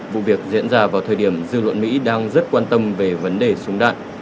vụ việc diễn ra vào thời điểm dư luận mỹ đang rất quan tâm về vấn đề súng đạn